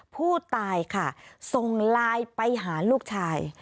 ผู้ตายค่ะส่งไลน์ไปหาลูกชาย